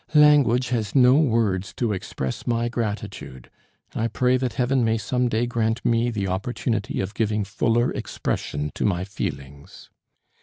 "Language has no words to express my gratitude. I pray that heaven may some day grant me the opportunity of giving fuller expression to my feelings."